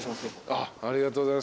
ありがとうございます。